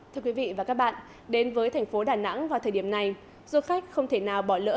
thưa quý vị và các bạn đến với thành phố đà nẵng vào thời điểm này du khách không thể nào bỏ lỡ